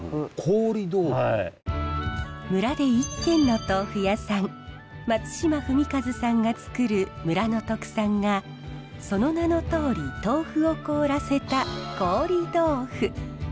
村で１軒の豆腐屋さん松島史和さんが作る村の特産がその名のとおり豆腐を凍らせた凍り豆腐。